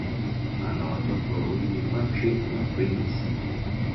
Ana watoto wawili: Patrick na Prince.